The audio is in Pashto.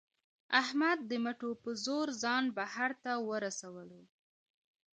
احمد د مټو په زور ځان بهر ته ورسولو.